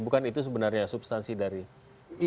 bukan itu sebenarnya substansi dari cuti itu